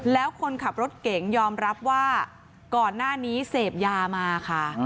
แล้วคนขับรถเก่งยอมรับว่าก่อนหน้านี้เสพยามาค่ะ